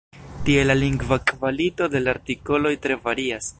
Tie la lingva kvalito de la artikoloj tre varias.